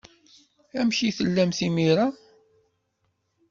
Amek tellamt imir-a?